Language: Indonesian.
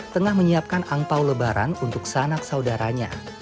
tengah menyiapkan angpau lebaran untuk sanak saudaranya